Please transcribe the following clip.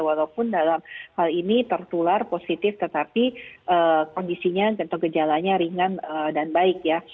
walaupun dalam hal ini tertular positif tetapi kondisinya atau gejalanya ringan dan baik ya